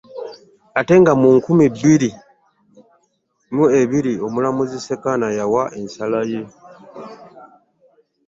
Ate nga mu nkumi bbiri mu abiri omulamuzi Ssekaana yawa ensala ye